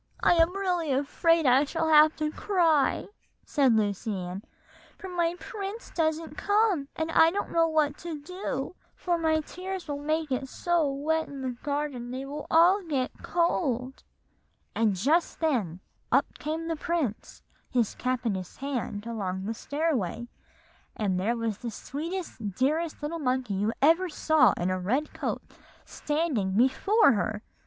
'I am really afraid I shall have to cry,' said Lucy Ann; 'for my prince doesn't come, and I don't know what to do, for my tears will make it so wet in the garden that they will all get cold;' and just then up came the prince, his cap in his hand, along the stairway, and there was the sweetest, dearest little monkey you ever saw in a red coat, standing before her!"